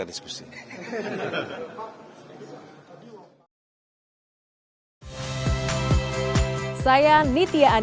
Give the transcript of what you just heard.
ya revisi itu bisa sebelum dilakukan